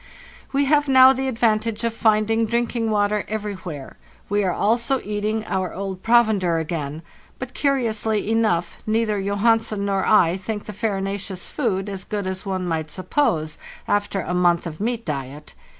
"We have now the advantage of finding drinking water everywhere. We are also eating our old proven der again; but, curiously enough, neither Johansen nor I think the farinaceous food as good as one might sup pose after a month of meat diet.